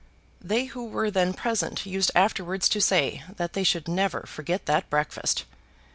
They who were then present used afterwards to say that they should never forget that breakfast.